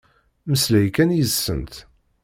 Mmeslay kan yid-sent.